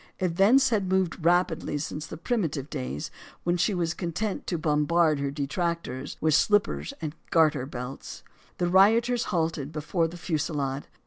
Events had moved rapidly since the primitive days when she was content to bombard her detractors with slippers and garter buckles. The rioters halted, before the fusillade.